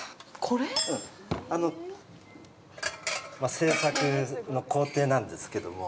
製作の工程なんですけども。